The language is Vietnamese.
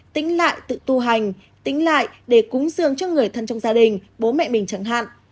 tính lại tự tu hành tính lại để cúng dường cho người thân trong gia đình bố mẹ mình chẳng hạn